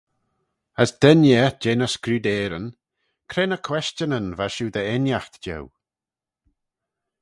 As denee eh jeh ny scrudeyryn, Cre ny questionyn va shiu dy enaght jeu?